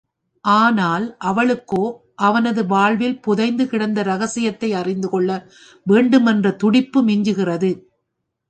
ஆனால், அவளுக்கோ அவனது வாழ்வில் புதைந்து கிடந்த ரகசியத்தை அறிந்து கொள்ள வேண்டுமென்ற துடிப்பு மிஞ்சுகிறது.